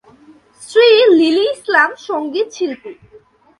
স্ত্রী লিলি ইসলাম সংগীতশিল্পী।